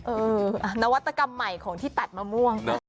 นวัตกรรมใหม่ของที่ตัดมะม่วง